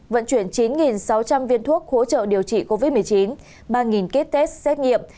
vận chuyển chín sáu trăm linh viên thuốc hỗ trợ điều trị covid một mươi chín ba ký test xét nghiệm